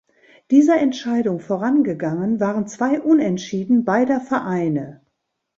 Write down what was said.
Dieser Entscheidung vorangegangen waren zwei Unentschieden beider Vereine.